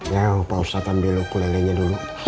ya opa ustad ambil lo kulelenya dulu